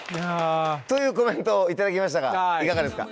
というコメントを頂きましたがいかがですか？